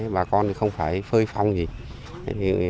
bà con không phải phơi phong gì